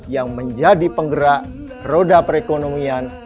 yang menjadi penggerak roda perekonomian